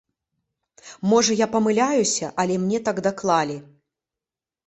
Можа я памыляюся, але мне так даклалі.